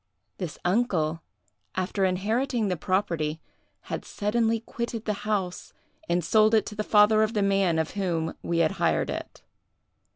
This uncle, after inheriting the property, had suddenly quitted the house and sold it to the father of the man of whom we had hired it.